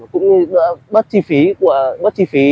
cũng như bớt chi phí